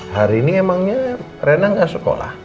hari ini emangnya rena gak sekolah